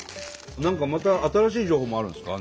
何かまた新しい情報もあるんですか？